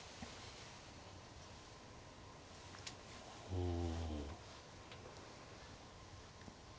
うん。